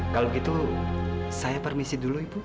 kalau gitu saya permisi dulu ibu